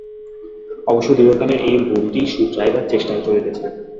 অবশ্য দীর্ঘকালের এই ভুলটি শুধরাইবার চেষ্টা চলিতেছে।